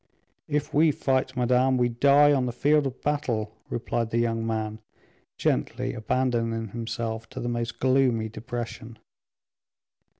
"If we fight, madame, we die on the field of battle," replied the young man, gently, abandoning himself to the most gloomy depression.